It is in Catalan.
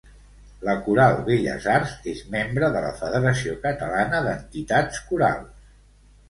La Coral Belles Arts és membre de la Federació Catalana d'Entitats Corals.